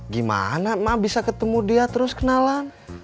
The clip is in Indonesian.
gimana mak bisa ketemu dia terus kenalan